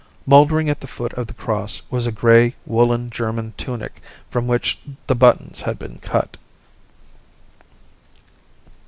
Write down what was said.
Mouldering at the foot of the cross was a grey woollen German tunic from which the buttons had been cut.